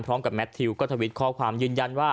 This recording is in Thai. พร้อมกับแมททิวก็ทวิตคอความยืนยันว่า